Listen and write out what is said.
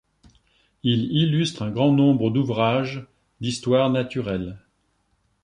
Il illustre un grand nombre d’ouvrages d’histoire naturelle.